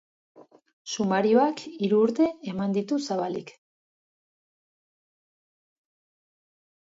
Sumarioak hiru urte eman ditu zabalik.